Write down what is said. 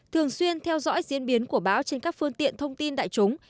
thường xuyên theo dõi diễn biến của báo trên các phương tiện thông tin đại chúng